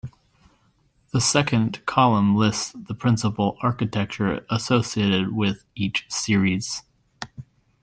The second column lists the principal architecture associated with each series.